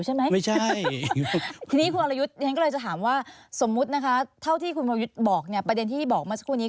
สมมุติเมื่อประเด็นที่พุทธบอกมาซักครู่นี้